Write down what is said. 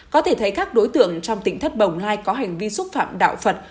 có thể thấy các đối tượng trong tỉnh thất bồng lai có hành vi xúc phạm đạo phật